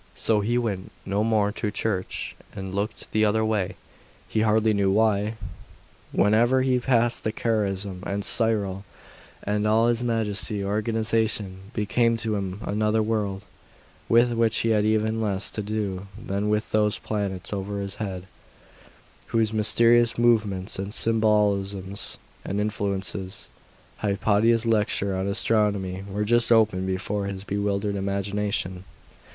So he went no more to church, and looked the other way, he hardly knew why, whenever he passed the Caesareum; and Cyril, and all his mighty organisation, became to him another world, with which he had even less to do than with those planets over his head, whose mysterious movements, and symbolisms, and influences Hypatia's lectures on astronomy were just opening before his bewildered imagination.